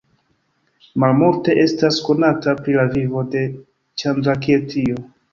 Malmulte estas konata pri la vivo de Ĉandrakirtio.